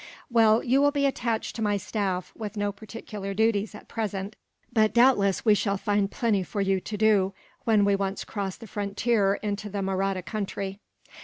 "Well, you will be attached to my staff, with no particular duties, at present; but doubtless we shall find plenty for you to do, when we once cross the frontier into the Mahratta country."